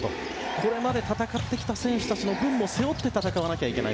これまで戦ってきた選手たちの分も背負って戦わなきゃいけない。